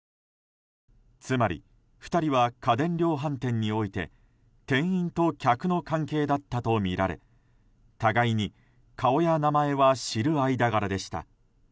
つまり２人は家電量販店において店員と客の関係だったとみられ互いに顔や名前は知る間柄でした。